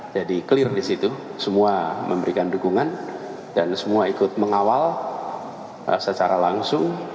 clear di situ semua memberikan dukungan dan semua ikut mengawal secara langsung